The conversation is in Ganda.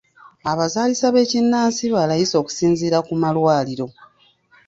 Abazaalisa ab'ekinnansi ba layisi okusinziira ku malwaliro.